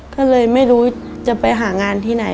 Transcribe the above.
ก็เลยไม่รู้จะไปหางานที่ไหน